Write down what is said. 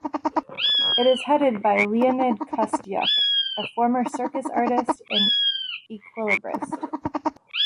It is headed by Leonid Kostyuk, a former circus artist and equilibrist.